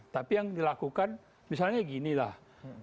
tapi yang dilakukan misalnya ginilah